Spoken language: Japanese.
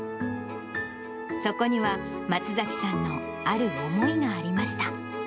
そこには、松崎さんのある思いがありました。